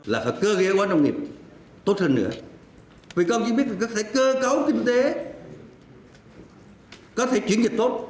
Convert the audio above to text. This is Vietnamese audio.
là cơ giới hóa nông nghiệp tốt hơn nữa vì con chỉ biết cơ cấu kinh tế có thể chuyển dịch tốt